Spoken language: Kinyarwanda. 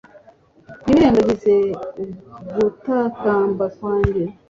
ntiwirengagize ugutakamba kwanjye